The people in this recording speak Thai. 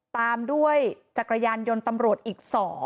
ตามด้วยจักรยานยนต์ตำรวจอีก๒